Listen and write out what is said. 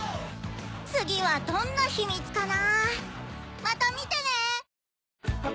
次はどんなヒ・ミ・ツかな？